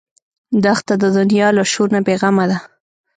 دښته د دنیا له شور نه بېغمه ده.